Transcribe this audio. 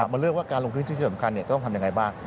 มาเลือกว่าการลงทุนที่สำคัญต้องทำอย่างไรบ้าง